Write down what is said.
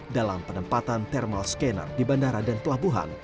dalam penempatan thermal scanner di bandara dan pelabuhan